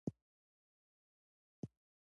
دا ژورنال د نړۍ له هر ګوټ څخه د لاسرسي وړ دی.